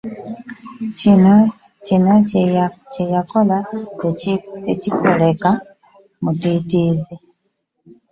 Kino kyeyakola tekikoleka mutitiizi .